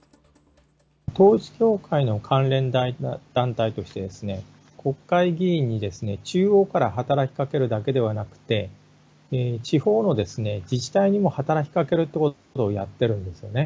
統一教会の関連団体としてですね、国会議員にですね、中央から働きかけるだけではなくて、地方の自治体にも働きかけるということをやってるんですよね。